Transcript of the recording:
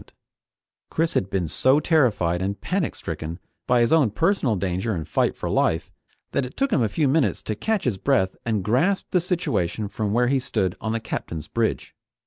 Chris had been so terrified and panicstricken by his own personal danger and fight for life that it took him a few minutes to catch his breath and grasp the situation from where he stood on the Captain's bridge.